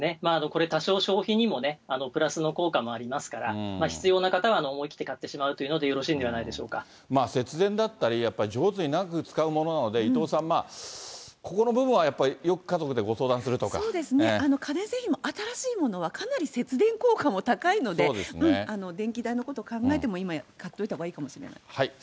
これ、多少、消費にもプラスの効果もありますから、必要な方は思い切って買ってしまうというので、節電だったり、やっぱり上手に長く使うものなので、伊藤さん、ここの部分はやっぱり、よく家族そうですね、家電製品も新しいものはかなり節電効果も高いので、電気代のことを考えても、今買っておいたほうがいいかもしれない。